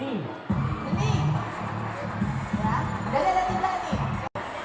อีกแน่